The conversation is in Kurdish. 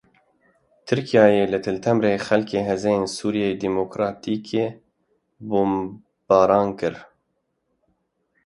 Tirkiyeyê li Til Temirê xaleke Hêzên Sûriya Demokratîkê bombebaran kir.